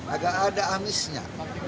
agak ada amisnya